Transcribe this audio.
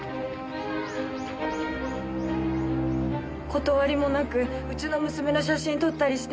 断りもなくうちの娘の写真撮ったりして。